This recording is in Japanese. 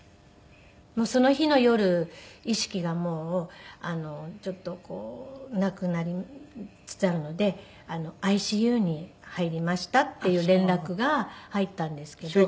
その日の夜「意識がもうちょっとなくなりつつあるのでＩＣＵに入りました」っていう連絡が入ったんですけど。